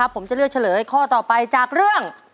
ผมจะเลือกเฉลยข้อต่อไปจากเรื่อง